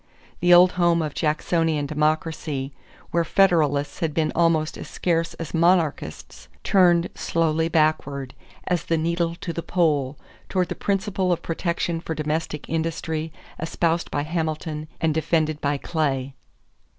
The old home of Jacksonian democracy, where Federalists had been almost as scarce as monarchists, turned slowly backward, as the needle to the pole, toward the principle of protection for domestic industry, espoused by Hamilton and defended by Clay.